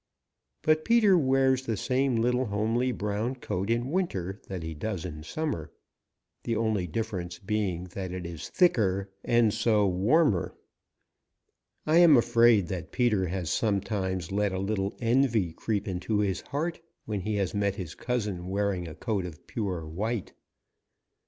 But Peter wears the same little homely brown coat in winter that he does in summer, the only difference being that it is thicker and so warmer. I am afraid that Peter has sometimes let a little envy creep into his heart when he has met his cousin wearing a coat of pure white.